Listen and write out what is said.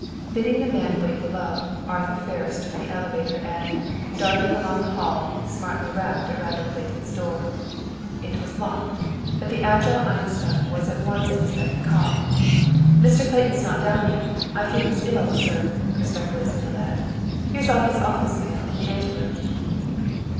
Bidding the man wait below, Arthur Ferris took the elevator and, darting along the hall, smartly rapped at Randall Clayton's door. It was locked, but the agile Einstein was at once at his beck and call. "Mr. Clayton's not down yet. I fear he's ill, sir," respectfully said the lad. "Here's all his office mail in the ante room."